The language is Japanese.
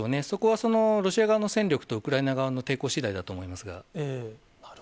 そこはロシア側の戦力とウクライナ側の抵抗しだいだと思いますが。